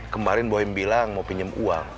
kemarin boy bilang mau pinjem uang